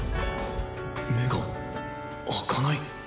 目が開かない？